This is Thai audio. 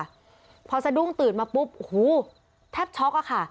เนี้ยค่ะพอสะดุ้งตื่นมาปุ๊บโอ้โหแทบช็อกอ่ะค่ะ